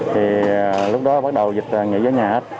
thì lúc đó bắt đầu dịch nghỉ ở nhà hết